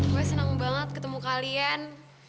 gue senang banget ketemu kalian